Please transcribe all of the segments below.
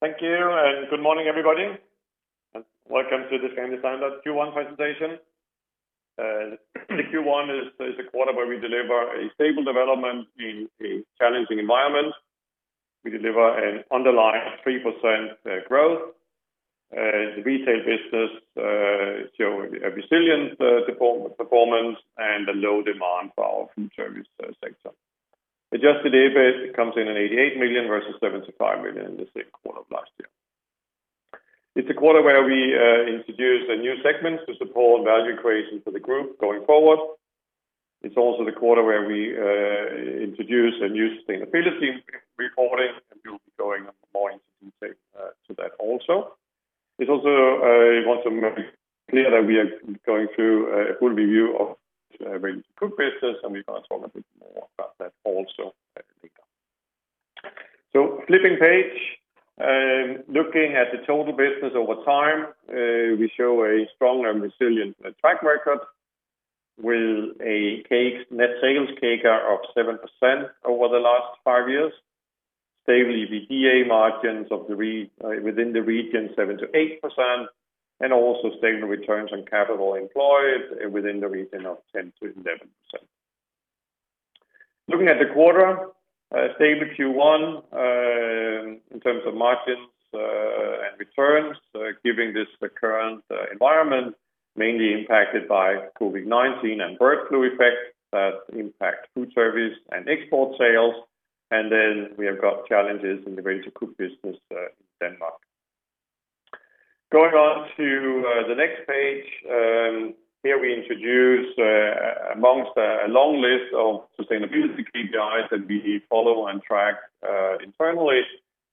Thank you, and good morning, everybody. Welcome to the Scandi Standard Q1 presentation. Q1 is a quarter where we deliver a stable development in a challenging environment. We deliver an underlying 3% growth. The retail business show a resilient performance and a low demand for our food service sector. Adjusted EBIT comes in at 88 million versus 75 million in the same quarter of last year. It's a quarter where we introduced a new segment to support value creation for the group going forward. It's also the quarter where we introduced a new sustainability reporting. We'll be going more into detail to that also. It's also, I want to make clear that we are going through a full review of Ready-to-cook business. We will talk a bit more about that also later. Flipping page, looking at the total business over time, we show a strong and resilient track record with a net sales CAGR of 7% over the last five years, stable EBITDA margins within the region 7%-8%, and also stable returns on capital employed within the region of 10%-11%. Looking at the quarter, stable Q1, in terms of margins and returns, given this current environment, mainly impacted by COVID-19 and bird flu effects that impact food service and export sales, and then we have got challenges in the Ready-to-cook business in Denmark. Going on to the next page. Here we introduce, amongst a long list of sustainability KPIs that we follow and track internally,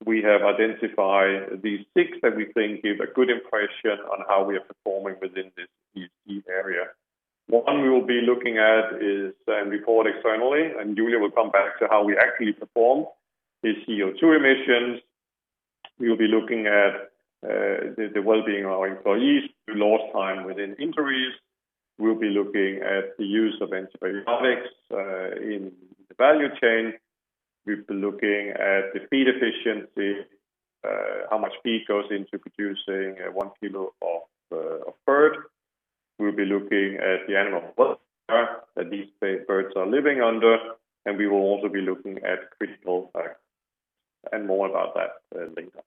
we have identified these six that we think give a good impression on how we are performing within this key area. The one we will be looking at is, and report externally, and Julia will come back to how we actually perform the CO2 emissions. We'll be looking at the wellbeing of our employees who lost time within injuries. We'll be looking at the use of antibiotics in the value chain. We'll be looking at the feed efficiency, how much feed goes into producing one kilo of bird. We'll be looking at the animal welfare that these birds are living under, and we will also be looking at critical suppliers, and more about that later.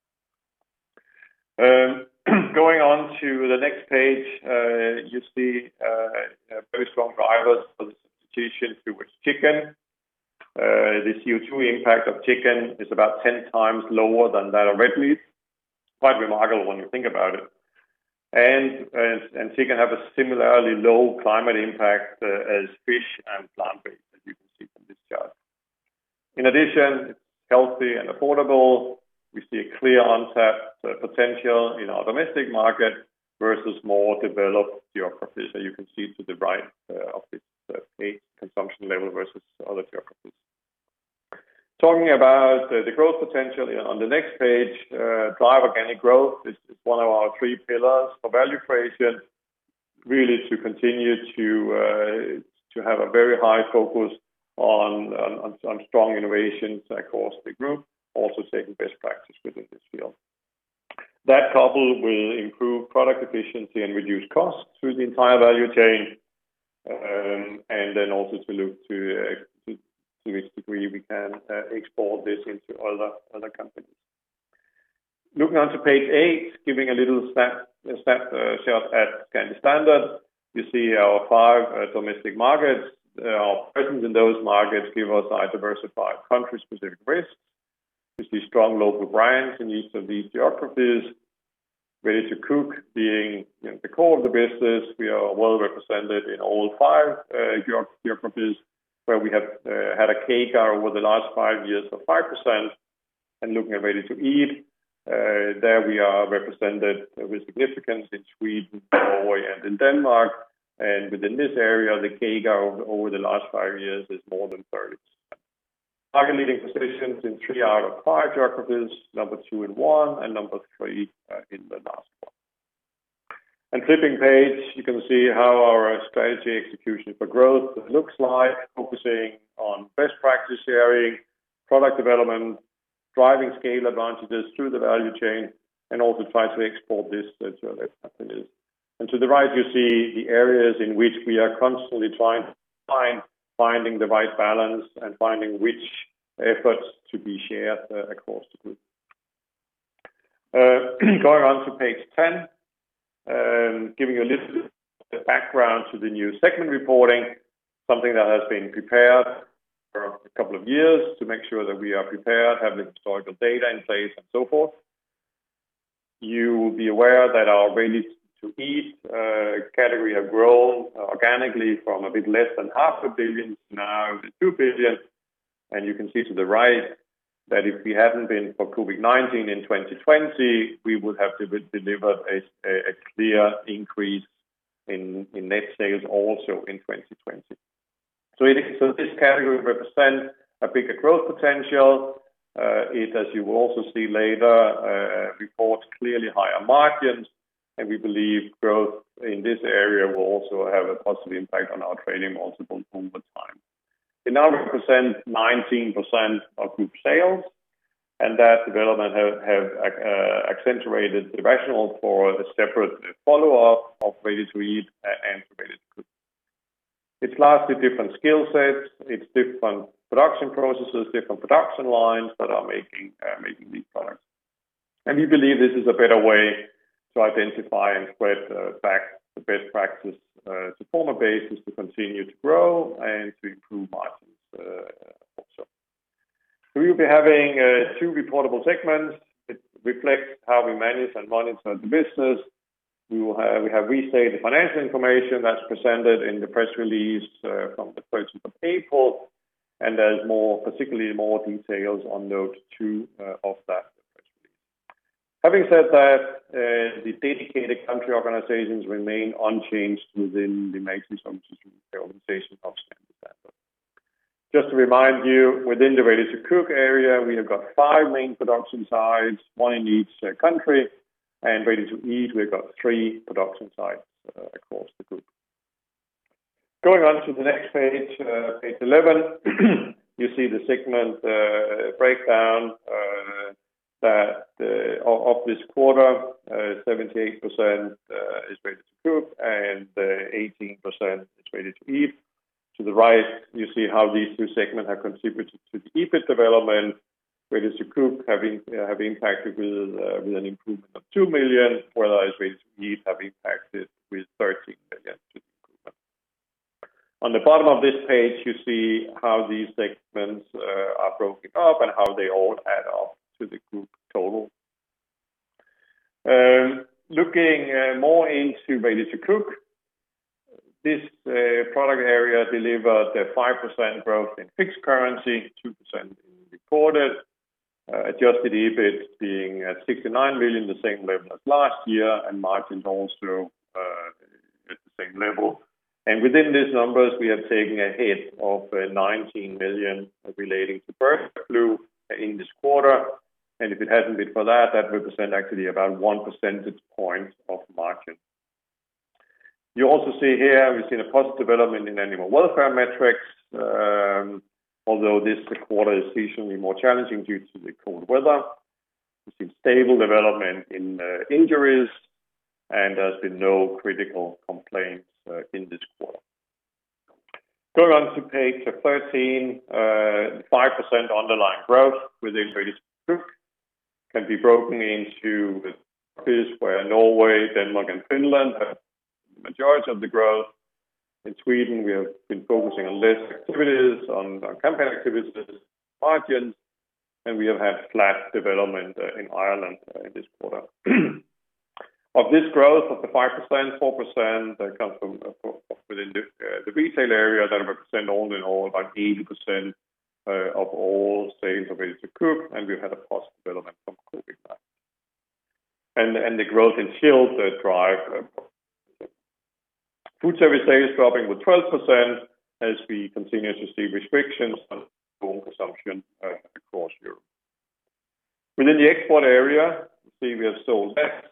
Going on to the next page, you see very strong drivers for the substitution towards chicken. The CO2 impact of chicken is about 10 times lower than that of red meat. It's quite remarkable when you think about it. Chicken have a similarly low climate impact as fish and plant-based, as you can see from this chart. In addition, it's healthy and affordable. We see a clear untapped potential in our domestic market versus more developed geographies that you can see to the right of this page, consumption level versus other geographies. Talking about the growth potential on the next page, drive organic growth is one of our three pillars for value creation. Really to continue to have a very high focus on strong innovations across the group, also taking best practice within this field. That coupled will improve product efficiency and reduce costs through the entire value chain, and then also to look to which degree we can export this into other companies. Looking on to page eight, giving a little snapshot at Scandi Standard. You see our five domestic markets. Our presence in those markets give us a diversified country-specific risk, with the strong local brands in each of these geographies. Ready-to-cook being the core of the business. We are well-represented in all five geographies, where we have had a CAGR over the last five years of 5%. Looking at Ready-to-Eat, there we are represented with significance in Sweden, Norway, and in Denmark. Within this area, the CAGR over the last five years is more than 30%. Market-leading positions in three out of five geographies, number two and one, and number three in the last one. Flipping page, you can see how our strategy execution for growth looks like, focusing on best practice sharing, product development, driving scale advantages through the value chain, and also try to export this to other companies. To the right, you see the areas in which we are constantly finding the right balance and finding which efforts to be shared across the group. Going on to page 10, giving a little background to the new segment reporting, something that has been prepared for a couple of years to make sure that we are prepared, have the historical data in place, and so forth. You will be aware that our Ready-to-Eat category have grown organically from a bit less than SEK half a billion to now over 2 billion. You can see to the right that if it hadn't been for COVID-19 in 2020, we would have delivered a clear increase in net sales also in 2020. This category represents a bigger growth potential. It, as you will also see later, reports clearly higher margins, and we believe growth in this area will also have a positive impact on our trading multiple over time. It now represents 19% of group sales, and that development have accentuated the rationale for a separate follow-up of Ready-to-Eat and Ready-to-cook. It's largely different skill sets. It's different production processes, different production lines that are making these products. We believe this is a better way to identify and spread back the best practice to form a basis to continue to grow and to improve margins also. We'll be having two reportable segments. It reflects how we manage and monitor the business. We have restated the financial information that's presented in the press release from the 1st of April, and there's particularly more details on note two of that press release. Having said that, the dedicated country organizations remain unchanged within the management structure and organization of Scandi Standard. Just to remind you, within the Ready-to-cook area, we have got five main production sites, one in each country, and Ready-to-Eat, we've got three production sites across the group. Going on to the next page 11, you see the segment breakdown of this quarter, 78% is Ready-to-cook and 18% is Ready-to-Eat. To the right, you see how these two segments have contributed to EBIT development. Ready-to-cook have impacted with an improvement of 2 million, whereas Ready-to-Eat have impacted with 13 million to the group. On the bottom of this page, you see how these segments are broken up and how they all add up to the group total. Looking more into Ready-to-cook, this product area delivered a 5% growth in fixed currency, 2% in reported, adjusted EBIT being at 69 million, the same level as last year, and margins also at the same level. Within these numbers, we have taken a hit of 19 million relating to bird flu in this quarter. If it hadn't been for that represent actually about one percentage point of margin. You also see here, we've seen a positive development in animal welfare metrics, although this quarter is seasonally more challenging due to the cold weather. We've seen stable development in injuries, and there's been no critical complaints in this quarter. Going on to page 13, 5% underlying growth within Ready-to-cook can be broken into this, where Norway, Denmark, and Finland have the majority of the growth. In Sweden, we have been focusing on less activities, on campaign activities, margins, and we have had flat development in Ireland in this quarter. Of this growth of the 5%, 4% comes from within the retail area. That represent all in all, about 80% of all sales of Ready-to-cook, and we've had a positive development from COVID-19. The growth in chilled the driver. Food service sales dropping with 12% as we continue to see restrictions on home consumption across Europe. Within the export area, you see we are still less.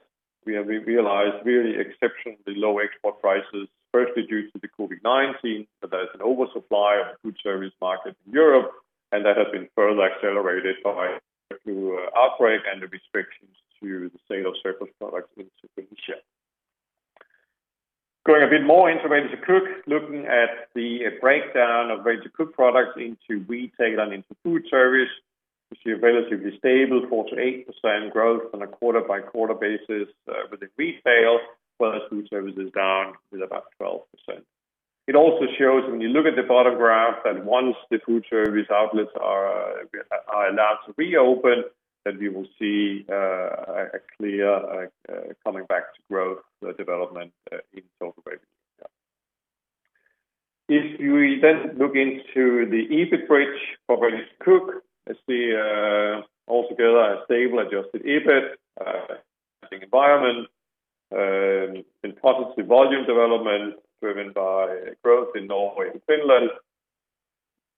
We realized really exceptionally low export prices, firstly due to the COVID-19, but there is an oversupply of the food service market in Europe, and that has been further accelerated by the flu outbreak and the restrictions to the sale of surplus products into Tunisia. Going a bit more into Ready-to-cook, looking at the breakdown of Ready-to-cook products into retail and into food service, you see a relatively stable 4%-8% growth on a quarter-by-quarter basis within retail, whereas food service is down with about 12%. It also shows, when you look at the bottom graph, that once the food service outlets are allowed to reopen, then we will see a clear coming back to growth development in total Ready-to-cook. If you look into the EBIT bridge for Ready-to-cook, you see altogether a stable adjusted EBIT environment, and positive volume development driven by growth in Norway and Finland.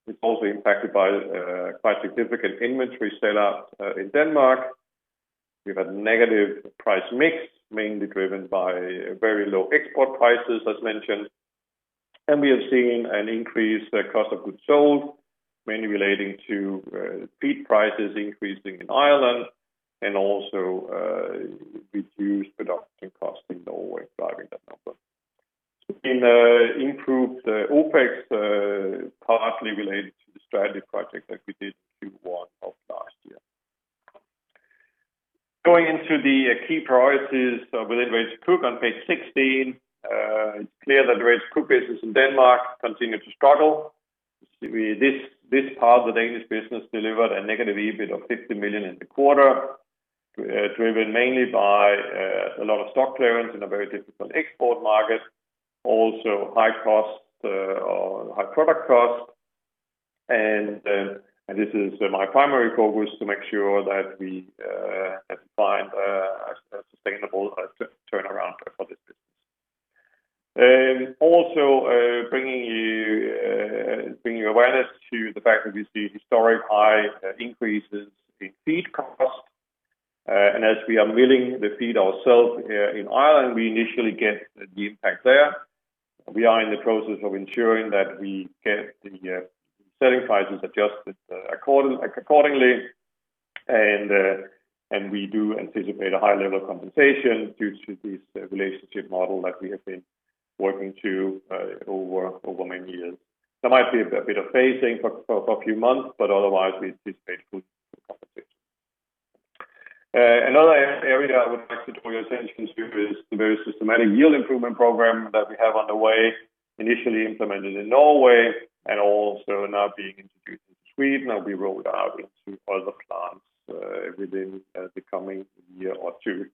It's also impacted by a quite significant inventory sell-out in Denmark. We've had negative price mix, mainly driven by very low export prices, as mentioned. We have seen an increase cost of goods sold, mainly relating to feed prices increasing in Ireland and also reduced production cost in Norway driving that number. In improved OpEx, partly related to the strategy project that we did in Q1 of last year. Going into the key priorities within Ready-to-cook on page 16, it's clear that Ready-to-cook business in Denmark continue to struggle. This part of the Danish business delivered a negative EBIT of 50 million in the quarter, driven mainly by a lot of stock clearance in a very difficult export market. High product cost. This is my primary focus to make sure that we have found a sustainable turnaround for this business. Also bringing awareness to the fact that we see historic high increases in feed cost. As we are milling the feed ourselves here in Ireland, we initially get the impact there. We are in the process of ensuring that we get the selling prices adjusted accordingly. We do anticipate a high level of compensation due to this relationship model that we have been working to over many years. There might be a bit of phasing for a few months, but otherwise, we expect good compensation. Another area I would like to draw your attention to is the very systematic yield improvement program that we have underway, initially implemented in Norway and also now being introduced into Sweden, and will be rolled out into other plants within the coming year or two.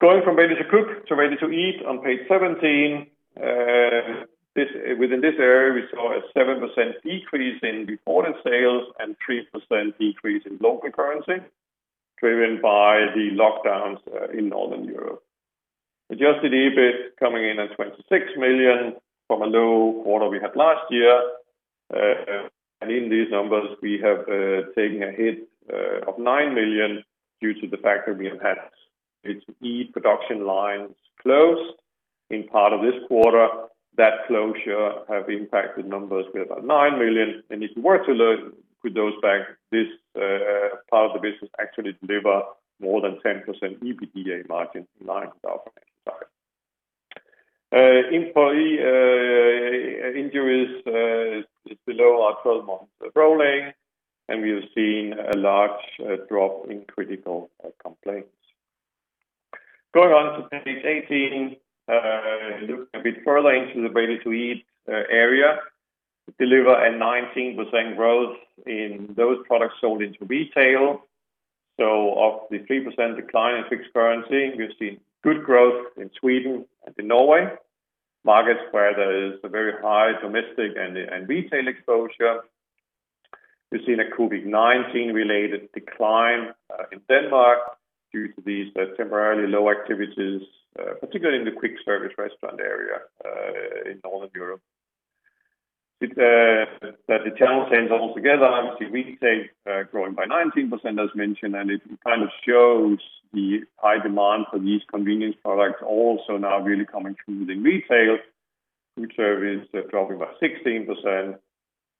Going from Ready-to-cook to Ready-to-Eat on page 17. Within this area, we saw a 7% decrease in reported sales and 3% decrease in local currency, driven by the lockdowns in Northern Europe. Adjusted EBIT coming in at 26 million from a low quarter we had last year. In these numbers, we have taken a hit of 9 million due to the fact that we have had RTE production lines closed in part of this quarter. That closure have impacted numbers with about 9 million. If it were to load, put those back, this part of the business actually deliver more than 10% EBITDA margin lines out from any side. Employee injuries is below our 12 months rolling, and we have seen a large drop in critical complaints. Going on to page 18, looking a bit further into the Ready-to-Eat area, deliver a 19% growth in those products sold into retail. Of the 3% decline in fixed currency, we've seen good growth in Sweden and in Norway, markets where there is a very high domestic and retail exposure. We've seen a COVID-19 related decline in Denmark due to these temporarily low activities, particularly in the quick service restaurant area in Northern Europe. The channel stands altogether, obviously retail growing by 19%, as mentioned, it kind of shows the high demand for these convenience products also now really coming through within retail. Food service dropping by 16%,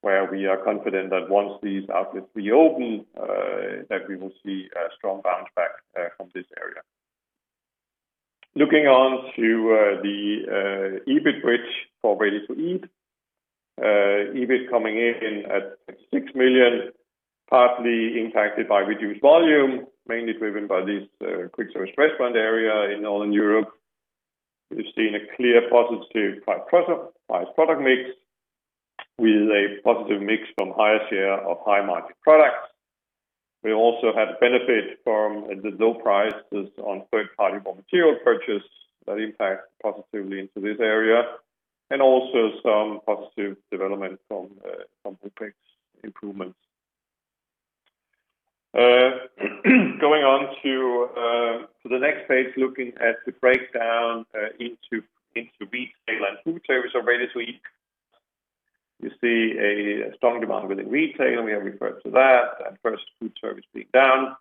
where we are confident that once these outlets reopen, that we will see a strong bounce back from this area. Looking on to the EBIT bridge for Ready-to-Eat. EBIT coming in at 6 million, partly impacted by reduced volume, mainly driven by this quick service restaurant area in Northern Europe. We've seen a clear positive price product mix with a positive mix from higher share of high-margin products. We also had benefit from the low prices on third-party raw material purchase that impact positively into this area and also some positive development from OpEx improvements. Going on to the next page, looking at the breakdown into retail and food service or Ready-to-Eat. You see a strong demand within retail, we have referred to that, at first food service being down.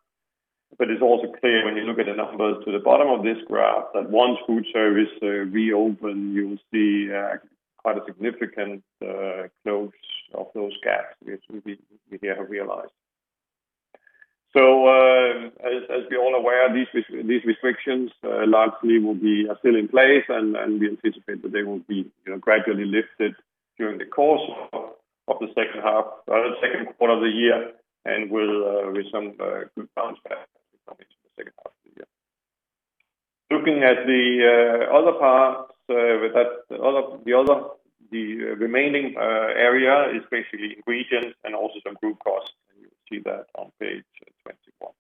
It's also clear when you look at the numbers to the bottom of this graph, that once food service reopen, you will see quite a significant close of those gaps, which we have realized. As we're all aware, these restrictions largely are still in place, and we anticipate that they will be gradually lifted during the course of the second quarter of the year and with some good bounce back coming into the second half of the year. Looking at the other parts, the remaining area is basically regions and also some group costs, and you will see that on page 24.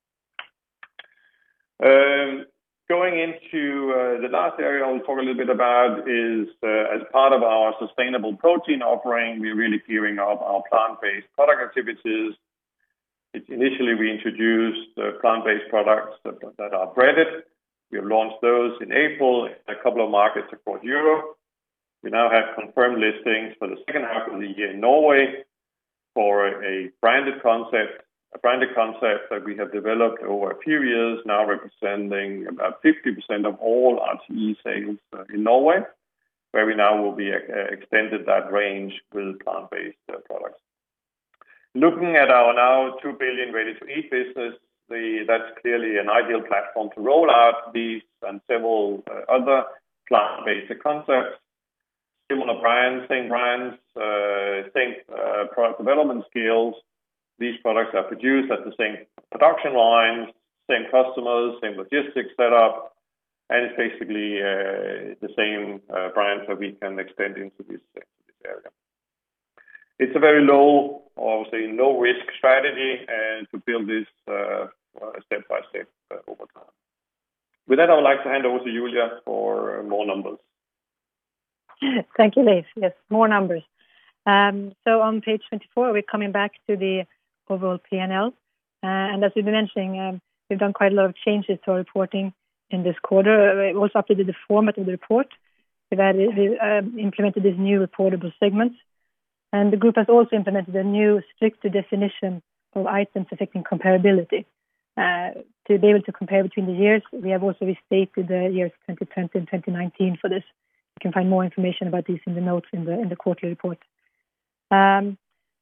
Going into the last area I'll talk a little bit about is, as part of our sustainable protein offering, we're really gearing up our plant-based product activities. Initially, we introduced the plant-based products that are breaded. We have launched those in April in a couple of markets across Europe. We now have confirmed listings for the second half of the year in Norway for a branded concept that we have developed over a few years, now representing about 50% of all RTE sales in Norway, where we now will be extended that range with plant-based products. Looking at our now 2 billion Ready-to-Eat business, that's clearly an ideal platform to roll out these and several other plant-based concepts. Similar brands, same brands, same product development skills. These products are produced at the same production lines, same customers, same logistics set up, and it's basically the same brands that we can extend into this area. It's a very low, obviously, no risk strategy, and to build this step by step over time. With that, I would like to hand over to Julia for more numbers. Thank you, Leif. Yes, more numbers. On page 24, we're coming back to the overall P&L. As we've been mentioning, we've done quite a lot of changes to our reporting in this quarter. We've also updated the format of the report. We've implemented these new reportable segments. The group has also implemented a new stricter definition of items affecting comparability. To be able to compare between the years, we have also restated the years 2020 and 2019 for this. You can find more information about this in the notes in the quarterly report.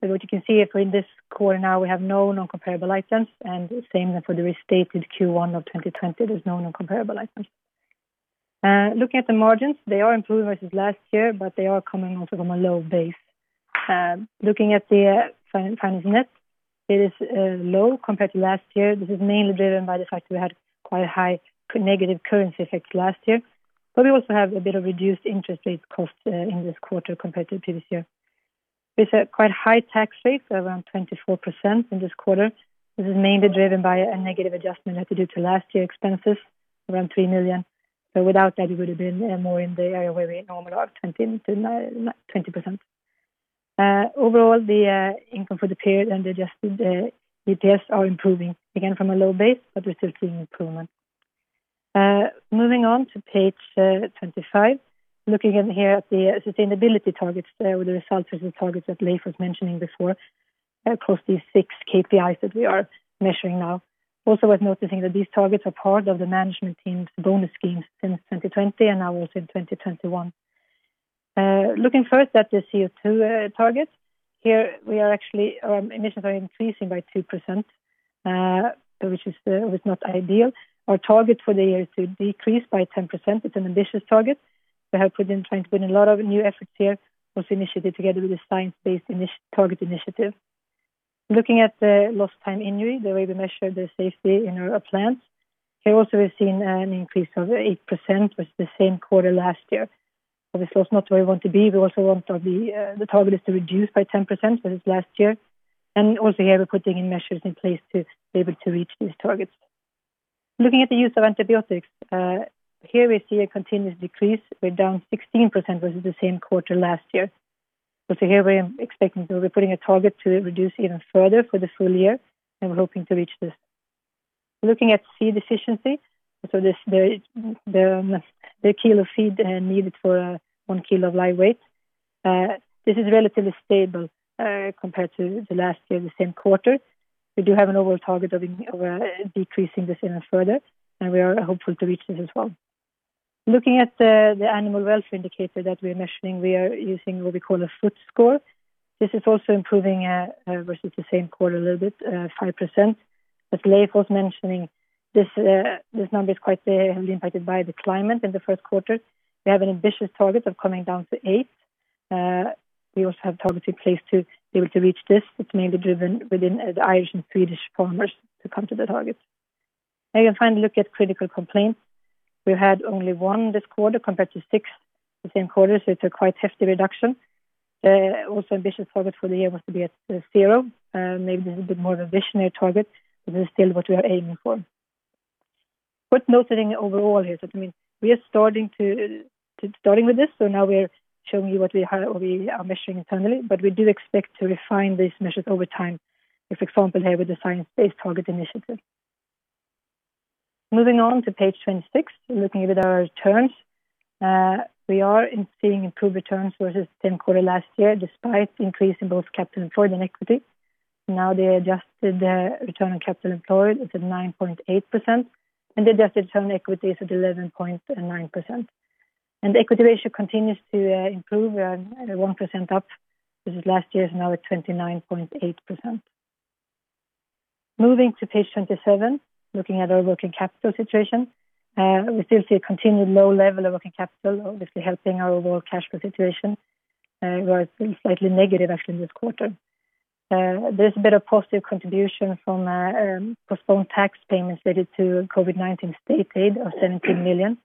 What you can see for this quarter now, we have no non-comparable items, and the same for the restated Q1 of 2020, there's no non-comparable items. Looking at the margins, they are improving versus last year, but they are coming also from a low base. Looking at the finance net, it is low compared to last year. This is mainly driven by the fact that we had quite a high negative currency effect last year, but we also have a bit of reduced interest rates cost in this quarter compared to the previous year. With a quite high tax rate of around 24% in this quarter. This is mainly driven by a negative adjustment due to last year expenses, around 3 million. Without that, it would have been more in the area where we normally are of 20%. Overall, the income for the period and adjusted EPS are improving again from a low base, but we're still seeing improvement. Moving on to page 25. Looking in here at the sustainability targets there with the results of the targets that Leif was mentioning before, across these six KPIs that we are measuring now. Also worth noticing that these targets are part of the management team's bonus schemes since 2020 and now also in 2021. Looking first at the CO2 targets. Here, our emissions are increasing by 2%, which was not ideal. Our target for the year is to decrease by 10%. It's an ambitious target. To help with them, trying to put in a lot of new efforts here, both initiative together with the Science Based Targets initiative. Looking at the lost time injury, the way we measure the safety in our plants. Here also, we've seen an increase of 8% with the same quarter last year. Obviously, that's not where we want to be. The target is to reduce by 10% versus last year. Also here we're putting measures in place to be able to reach these targets. Looking at the use of antibiotics. Here we see a continuous decrease. We're down 16% versus the same quarter last year. Here we're putting a target to reduce even further for the full year, and we're hoping to reach this. Looking at feed efficiency. The kilo of feed needed for one kilo of live weight. This is relatively stable compared to the last year in the same quarter. We do have an overall target of decreasing this even further, and we are hopeful to reach this as well. Looking at the animal welfare indicator that we are measuring, we are using what we call a footpad score. This is also improving versus the same quarter a little bit, 5%. As Leif was mentioning, this number is heavily impacted by the climate in the first quarter. We have an ambitious target of coming down to eight. We also have targets in place to be able to reach this. It's mainly driven within the Irish and Swedish farmers to come to the targets. Now you can finally look at critical complaints. We had only one this quarter compared to six the same quarter, so it's a quite hefty reduction. Ambitious target for the year was to be at zero. Maybe this is a bit more of a visionary target, but this is still what we are aiming for. Worth noting overall here is that we are starting with this, so now we're showing you what we are measuring internally, but we do expect to refine these measures over time. For example, here with the Science Based Targets initiative. Moving on to page 26, looking at our returns. We are seeing improved returns versus the same quarter last year, despite the increase in both capital employed and equity. Now the adjusted return on capital employed is at 9.8%. The adjusted return on equity is at 11.9%. The equity ratio continues to improve 1% up versus last year's, now at 29.8%. Moving to page 27, looking at our working capital situation. We still see a continued low level of working capital, obviously helping our overall cash flow situation. It was slightly negative actually this quarter. There's a bit of positive contribution from postponed tax payments related to COVID-19 state aid of 17 million.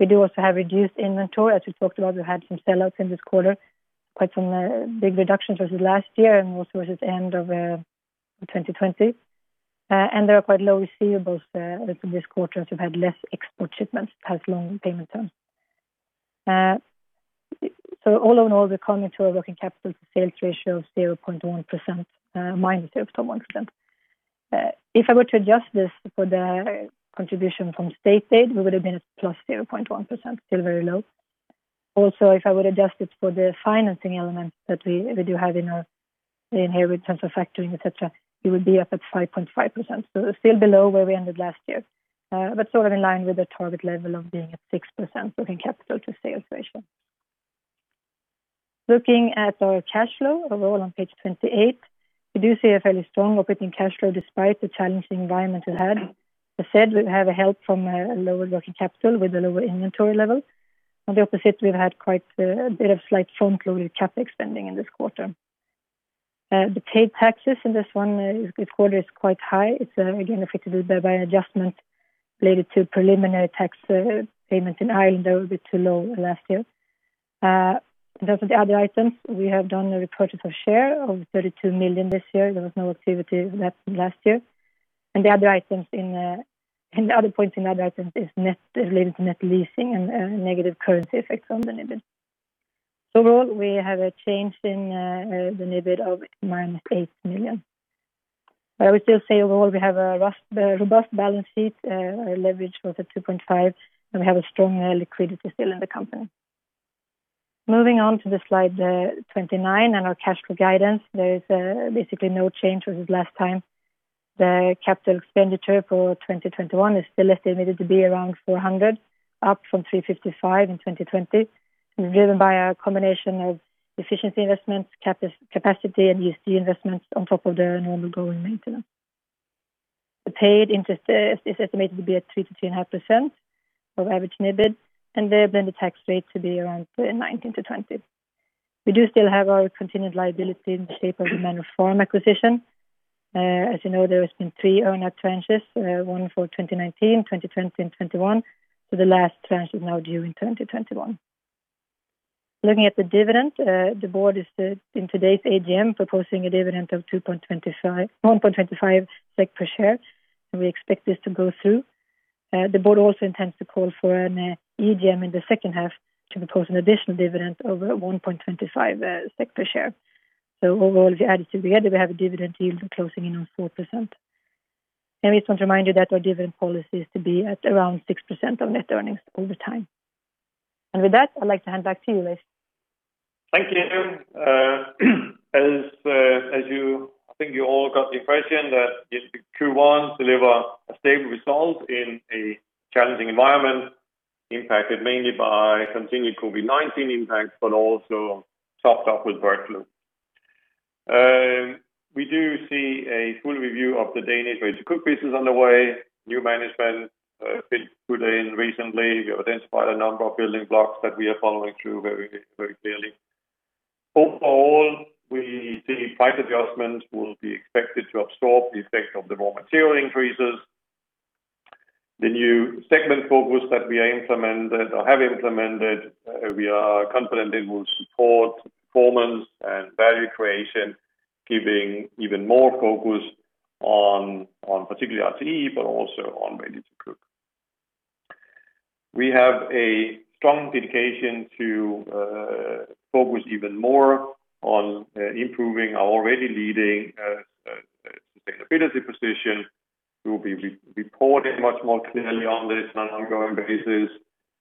We do also have reduced inventory. As we talked about, we had some sellouts in this quarter, quite some big reductions versus last year and also versus end of 2020. There are quite low receivables this quarter, as we've had less export shipments, has long payment terms. All in all, we're coming to a working capital to sales ratio of minus 0.1%. If I were to adjust this for the contribution from state aid, we would have been at plus 0.1%, still very low. Also, if I would adjust it for the financing elements that we do have in here with terms of factoring, et cetera, it would be up at 5.5%. Still below where we ended last year. Sort of in line with the target level of being at 6% working capital to sales ratio. Looking at our cash flow overall on page 28, we do see a fairly strong operating cash flow despite the challenging environment we've had. As said, we have a help from a lower working capital with the lower inventory levels. On the opposite, we've had quite a bit of slight front-loaded CapEx spending in this quarter. The paid taxes in this one quarter is quite high. It's again affected by adjustment related to preliminary tax payments in Ireland that were a bit too low last year. In terms of the other items, we have done a repurchase of share of 32 million this year. There was no activity left from last year. The other point in other items is related to net leasing and negative currency effects on the NIBD. Overall, we have a change in the NIBD of minus 8 million. I would still say overall we have a robust balance sheet. Our leverage was at 2.5x, and we have a strong liquidity still in the company. Moving on to the slide 29 and our cash flow guidance, there is basically no change versus last time. The capital expenditure for 2021 is still estimated to be around 400, up from 355 in 2020, and driven by a combination of efficiency investments, capacity and ESG investments on top of the normal go and maintenance. The paid interest is estimated to be at 3%-3.5% of average NIBD, and then the tax rate to be around 19%-20%. We do still have our continued liability in the shape of the Manor Farm acquisition. As you know, there has been three earn-out trenches, one for 2019, 2020 and 2021, so the last trench is now due in 2021. Looking at the dividend, the board is, in today's AGM, proposing a dividend of 1.25 SEK per share, and we expect this to go through. The board also intends to call for an EGM in the second half to propose an additional dividend over 1.25 SEK per share. Overall, if you add it together, we have a dividend yield closing in on 4%. We just want to remind you that our dividend policy is to be at around 6% of net earnings over time. With that, I'd like to hand back to you, Leif. Thank you. As you, I think you all got the impression that Q1 deliver a stable result in a challenging environment impacted mainly by continued COVID-19 impacts, but also topped up with bird flu. We do see a full review of the Danish Ready to Cook business on the way. New management been put in recently. We have identified a number of building blocks that we are following through very clearly. Overall, we see price adjustments will be expected to absorb the effect of the raw material increases. The new segment focus that we have implemented, we are confident it will support performance and value creation, giving even more focus on particularly RTE, but also on Ready to Cook. We have a strong dedication to focus even more on improving our already leading sustainability position. We'll be reporting much more clearly on this on an ongoing basis.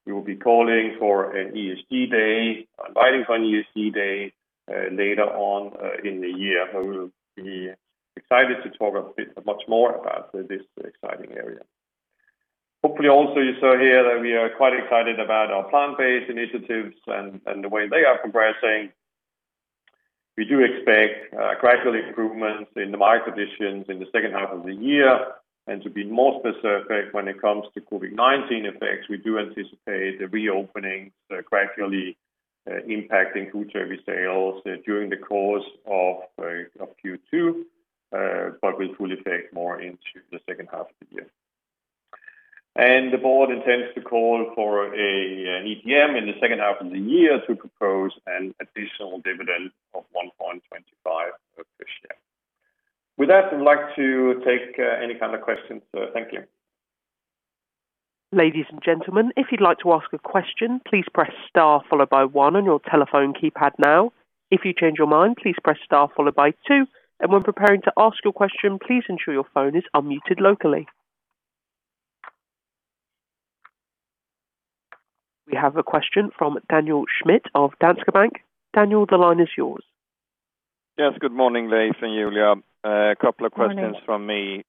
We will be inviting for an ESG day later on in the year. We'll be excited to talk a bit much more about this exciting area. Hopefully, also you saw here that we are quite excited about our plant-based initiatives and the way they are progressing. We do expect gradual improvements in the market conditions in the second half of the year. To be more specific, when it comes to COVID-19 effects, we do anticipate the reopenings gradually impacting food service sales during the course of Q2, but will fully take more into the second half of the year. The board intends to call for an EGM in the second half of the year to propose an additional dividend of 1.25 per share. With that, we'd like to take any kind of questions. Thank you. Ladies and gentlemen if you would like to ask a question, please press star followed by one on your telephone keypad now, if you change your mind please press star followed by two and when preparing to ask your question please make sure your phone is unmuted locally. We have a question from Daniel Schmidt of Danske Bank. Daniel, the line is yours. Yes. Good morning, Leif and Julia. Good morning. A couple of questions from me.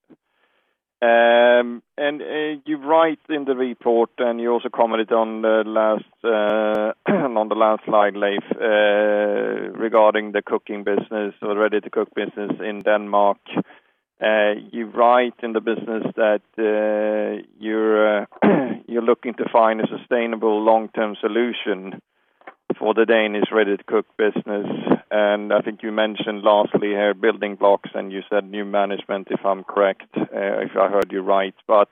You write in the report and you also commented on the last slide, Leif, regarding the cooking business or Ready-to-cook business in Denmark. You write in the business that you're looking to find a sustainable long-term solution for the Danish Ready-to-cook business, and I think you mentioned lastly building blocks, and you said new management, if I'm correct, if I heard you right. Are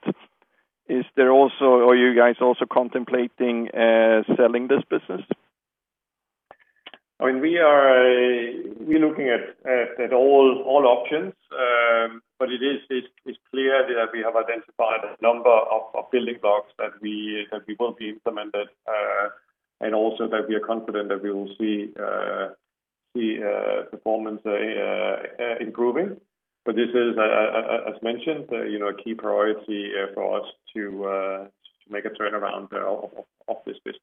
you guys also contemplating selling this business? We are looking at all options, but it is clear that we have identified a number of building blocks that we will be implemented, and also that we are confident that we will see performance improving. This is, as mentioned, a key priority for us to make a turnaround of this business.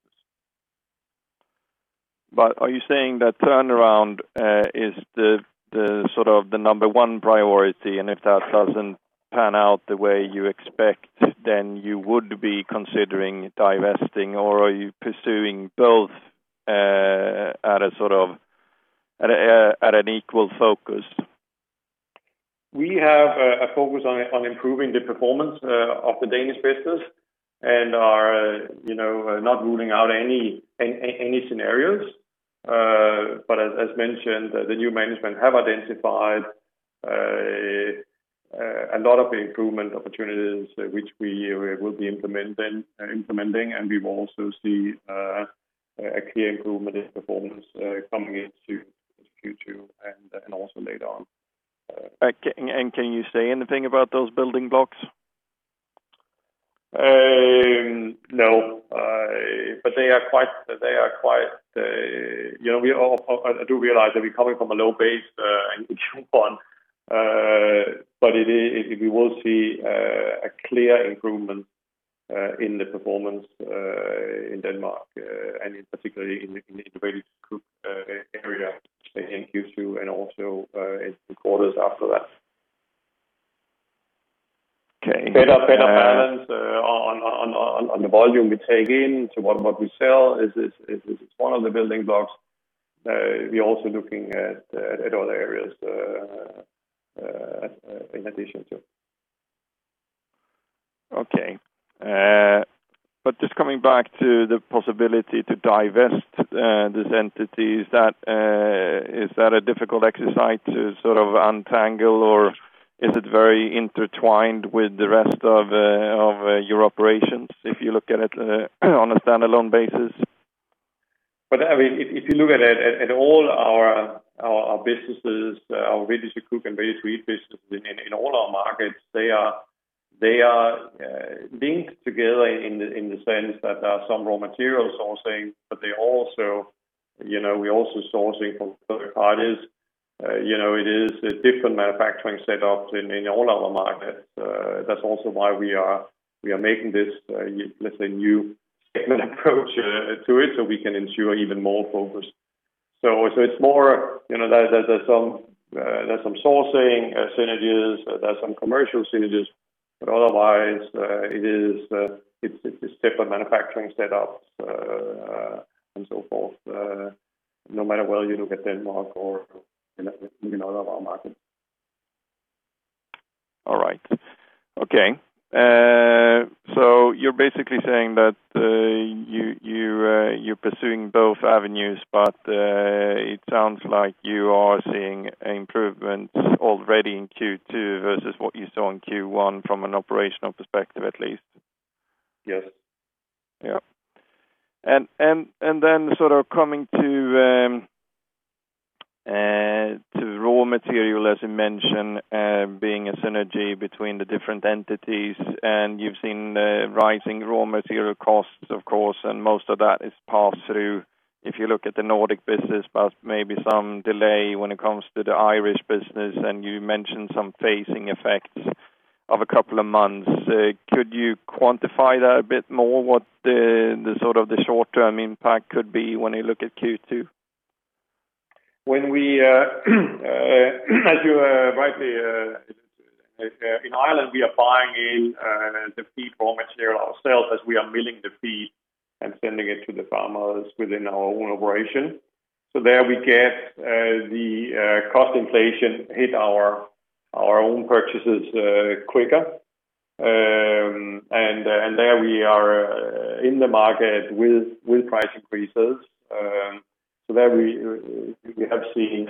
Are you saying that turnaround is the sort of the number one priority, and if that doesn't pan out the way you expect, then you would be considering divesting, or are you pursuing both at an equal focus? We have a focus on improving the performance of the Danish business and are not ruling out any scenarios. As mentioned, the new management have identified a lot of improvement opportunities which we will be implementing, and we will also see a clear improvement in performance coming into Q2 and also later on. Can you say anything about those building blocks? I do realize that we're coming from a low base in Q1, but we will see a clear improvement in the performance in Denmark, and particularly in the Vegetable Cook area in Q2 and also in quarters after that. Okay. Better balance on the volume we take in to what we sell is one of the building blocks. We're also looking at other areas in addition to. Okay. Just coming back to the possibility to divest these entities, is that a difficult exercise to sort of untangle, or is it very intertwined with the rest of your operations if you look at it on a standalone basis? If you look at all our businesses, our Vegetable Cook and various retail businesses in all our markets, they are linked together in the sense that there are some raw material sourcing, but we're also sourcing from third parties. It is a different manufacturing setup in all our markets. That's also why we are making this, let's say, new statement approach to it so we can ensure even more focus. There's some sourcing synergies, there's some commercial synergies, but otherwise, it's different manufacturing setups and so forth, no matter whether you look at Denmark or in all of our markets. All right. Okay. You're basically saying that you're pursuing both avenues, but it sounds like you are seeing improvements already in Q2 versus what you saw in Q1 from an operational perspective, at least. Yes. Yep. Coming to raw material, as you mentioned, being a synergy between the different entities, and you've seen the rising raw material costs, of course, and most of that is passed through if you look at the Nordic business, but maybe some delay when it comes to the Irish business, and you mentioned some phasing effects of a couple of months. Could you quantify that a bit more, what the short-term impact could be when you look at Q2? In Ireland, we are buying in the feed raw material ourselves as we are milling the feed and sending it to the farmers within our own operation. There we get the cost inflation hit our own purchases quicker. There we are in the market with price increases. There we have seen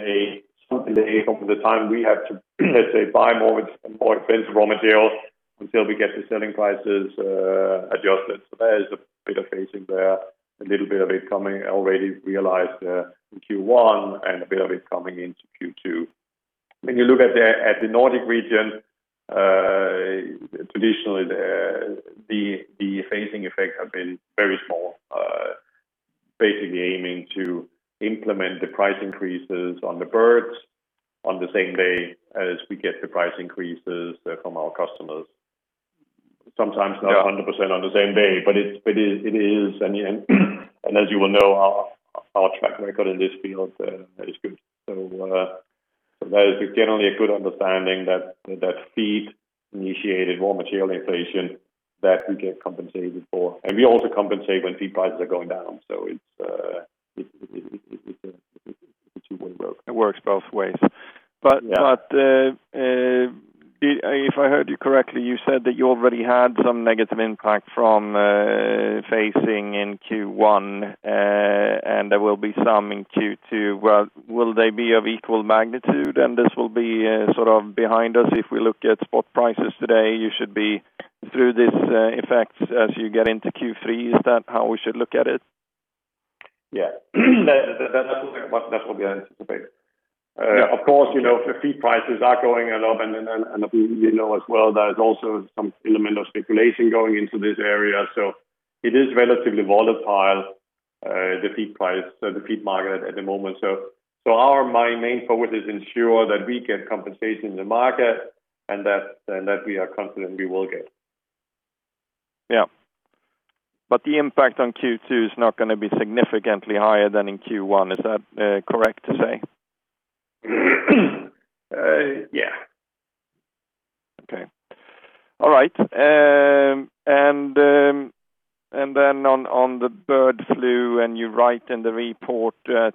over the time we have to, let's say, buy more expensive raw materials until we get the selling prices adjusted. There is a bit of phasing there, a little bit of it coming already realized in Q1 and a bit of it coming into Q2. When you look at the Nordic region, traditionally, the phasing effects have been very small, basically aiming to implement the price increases on the birds on the same day as we get the price increases from our customers. Sometimes not 100% on the same day, but it is, and as you well know, our track record in this field is good. There is generally a good understanding that feed-initiated raw material inflation that we get compensated for, and we also compensate when feed prices are going down. It's a two-way road. It works both ways. Yeah. If I heard you correctly, you said that you already had some negative impact from phasing in Q1, and there will be some in Q2. Will they be of equal magnitude and this will be sort of behind us if we look at spot prices today, you should be through these effects as you get into Q3. Is that how we should look at it? Yeah. That's what we are anticipating. Of course, the feed prices are going up and you know as well there's also some element of speculation going into this area. It is relatively volatile, the feed price, so the feed market at the moment. My main focus is ensure that we get compensation in the market and that we are confident we will get. Yeah. The impact on Q2 is not going to be significantly higher than in Q1. Is that correct to say? Yeah. Okay. All right. On the bird flu, and you write in the report that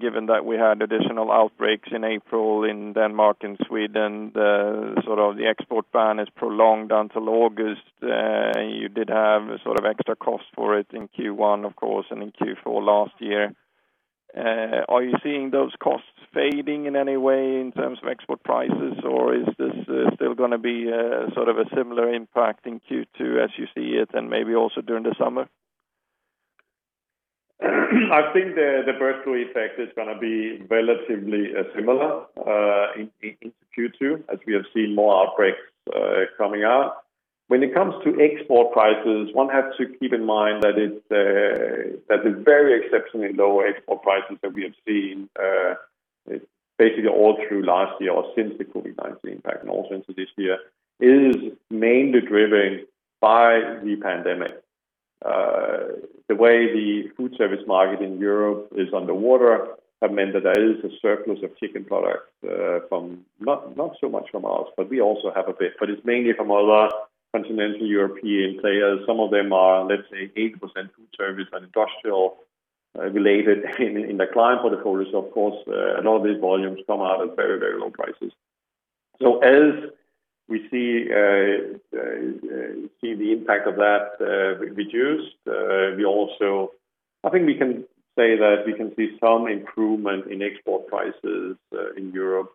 given that we had additional outbreaks in April in Denmark and Sweden, the export ban is prolonged until August. You did have sort of extra cost for it in Q1, of course, and in Q4 last year. Are you seeing those costs fading in any way in terms of export prices, or is this still going to be sort of a similar impact in Q2 as you see it, and maybe also during the summer? I think the bird flu effect is going to be relatively similar in Q2, as we have seen more outbreaks coming out. When it comes to export prices, one has to keep in mind that the very exceptionally low export prices that we have seen, basically all through last year or since the COVID-19 impact and also into this year, is mainly driven by the pandemic. The way the food service market in Europe is underwater have meant that there is a surplus of chicken products, not so much from us, but we also have a bit. It's mainly from other continental European players. Some of them are, let's say, 80% food service and industrial-related in the client portfolios, of course. All these volumes come out at very low prices. As we see the impact of that reduced, I think we can say that we can see some improvement in export prices in Europe.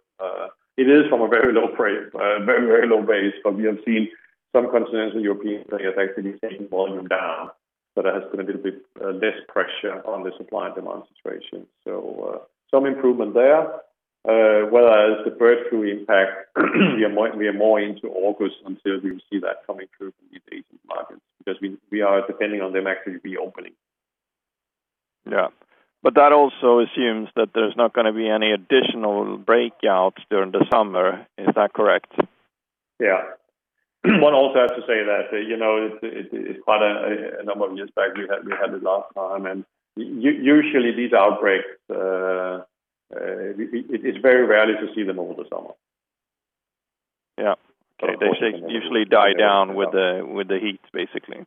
It is from a very low base, but we have seen some continental European players actually taking volume down. There has been a little bit less pressure on the supply and demand situation. Some improvement there. The bird flu impact, we are more into August until we see that coming through from the Asian markets, because we are depending on them actually reopening. Yeah. That also assumes that there's not going to be any additional breakouts during the summer. Is that correct? Yeah. One also has to say that, it's quite a number of years back, we had it last time, and usually these outbreaks, it's very rarely to see them over the summer. Yeah. They usually die down with the heat, basically.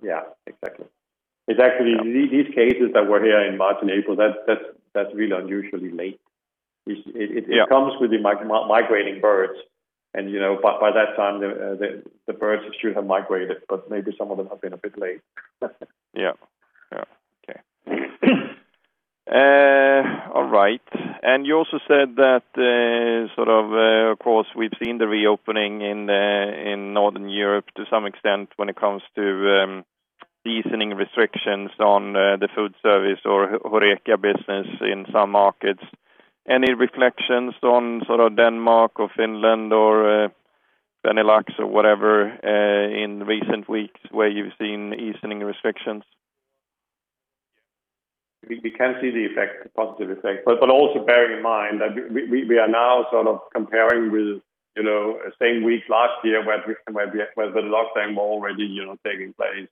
Yeah, exactly. It's actually, these cases that were here in March and April, that's really unusually late. Yeah. It comes with the migrating birds. By that time, the birds should have migrated, but maybe some of them have been a bit late. Yeah. Okay. All right. You also said that, of course, we've seen the reopening in Northern Europe to some extent when it comes to easing restrictions on the food service or HORECA business in some markets. Any reflections on Denmark or Finland or Benelux or whatever, in recent weeks where you've seen the easing restrictions? We can see the positive effect. Also bear in mind that we are now comparing with the same week last year where the lockdowns were already taking place.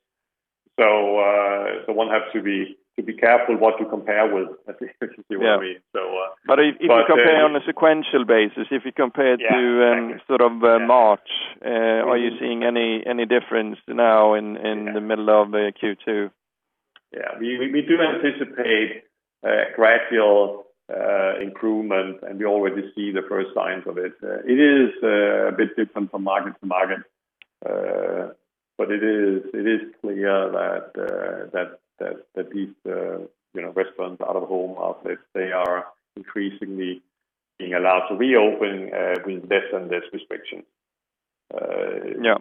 One has to be careful what you compare with, if you see what I mean. Yeah. if you compare on a sequential basis, if you compare Yeah, exactly. March, are you seeing any difference now in the middle of Q2? Yeah. We do anticipate a gradual improvement, and we already see the first signs of it. It is a bit different from market to market. It is clear that these restaurants, out of home outlets, they are increasingly being allowed to reopen with less and less restriction. Yeah.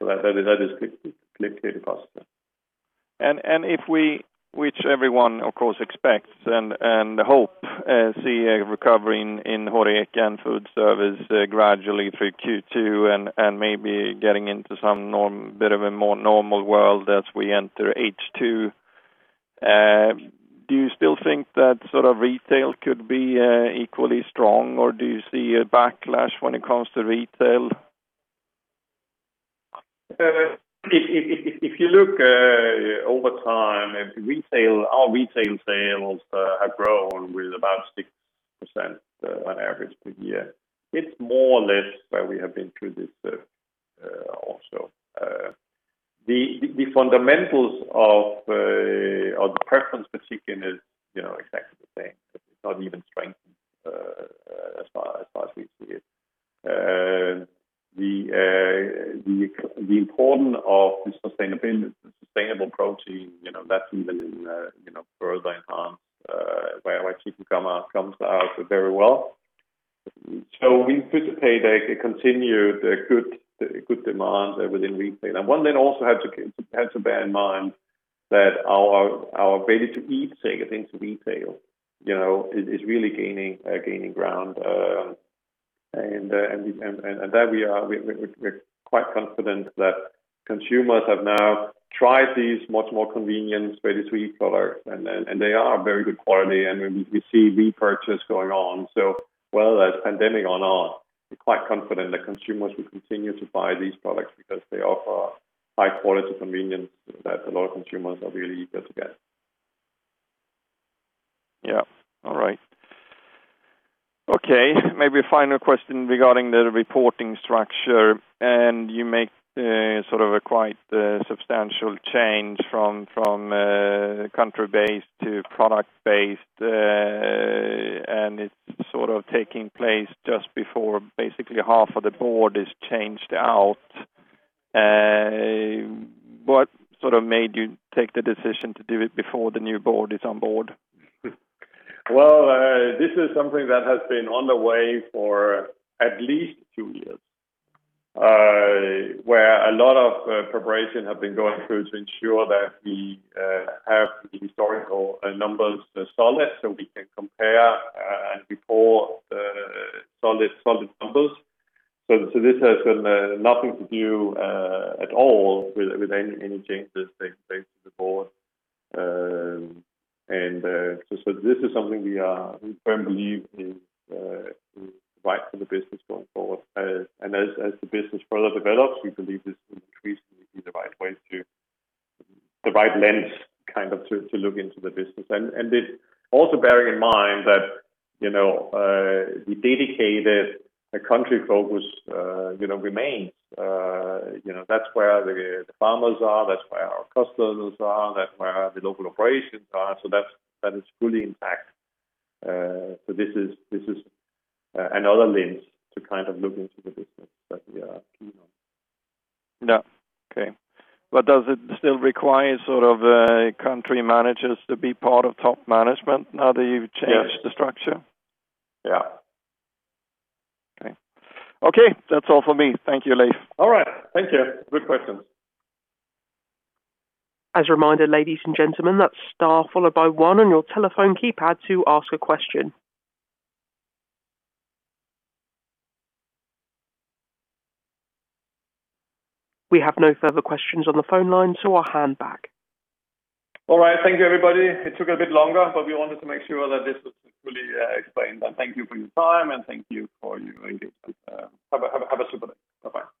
That is clearly positive. If we, which everyone of course expects and hope, see a recovery in HORECA and food service gradually through Q2 and maybe getting into some bit of a more normal world as we enter H2, do you still think that retail could be equally strong, or do you see a backlash when it comes to retail? If you look over time, our retail sales have grown with about 6% on average per year. It's more or less where we have been through this also. The fundamentals of the preference for chicken is exactly the same. It's not even strengthened as far as we see it. The importance of the sustainable protein, that's even further enhanced where chicken comes out very well. We anticipate a continued good demand within retail. One then also has to bear in mind that our Ready-to-Eat segment into retail is really gaining ground. There we're quite confident that consumers have now tried these much more convenient, Ready-to-Eat products. They are very good quality, and we see repurchase going on. Whether there's a pandemic or not, we're quite confident that consumers will continue to buy these products because they offer high quality convenience that a lot of consumers are really eager to get. Yeah. All right. Okay, maybe a final question regarding the reporting structure. You make a quite substantial change from country-based to product-based, and it's taking place just before basically half of the board is changed out. What made you take the decision to do it before the new board is on board? This is something that has been on the way for at least two years, where a lot of preparation have been going through to ensure that we have the historical numbers solid so we can compare and report solid numbers. This has got nothing to do at all with any changes taking place with the board. This is something we firmly believe is right for the business going forward. As the business further develops, we believe this will increasingly be the right lens, kind of, to look into the business. Also bear in mind that, the dedicated country focus remains. That's where the farmers are, that's where our customers are, that's where the local operations are. That is fully intact. This is another lens to kind of look into the business that we are keen on. Yeah. Okay. Does it still require country managers to be part of top management now that you've changed the structure? Yes. Yeah. Okay. That's all from me. Thank you, Leif. All right. Thank you. Good questions. As a reminder, ladies and gentlemen, that's star followed by one on your telephone keypad to ask a question. We have no further questions on the phone line, so I'll hand back. All right. Thank you, everybody. It took a bit longer, but we wanted to make sure that this was fully explained. Thank you for your time, and thank you for your interest. Have a super day. Bye-bye.